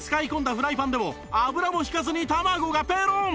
フライパンでも油も引かずに卵がペロン！